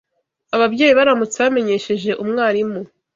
Ababyeyi baramutse bamenyesheje umwarimu